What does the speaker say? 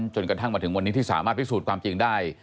จนถึงวันนี้ที่สามารถพิสูจน์ความจริงได้